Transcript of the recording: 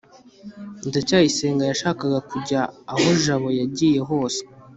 ndacyayisenga yashakaga kujya aho jabo yagiye hose